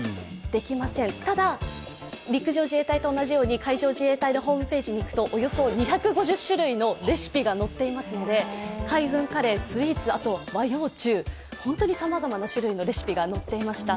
できません、ただ、陸上自衛隊と同じように海上自衛隊のホームページにいきますとおよそ２５０種類のレシピが載っていますので、海軍カレー、スイーツ、和洋中、本当にさまざまな種類のレシピが載っていました。